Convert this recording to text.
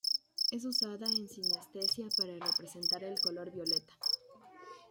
Es usada en sinestesia para representar el color violeta.